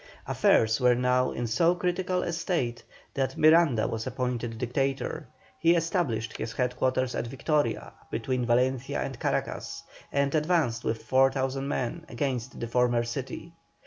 Affairs were now in so critical a state that Miranda was appointed Dictator. He established his head quarters at Victoria, between Valencia and Caracas, and advanced with 4,000 men against the former city.